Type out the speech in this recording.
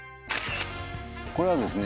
これはですね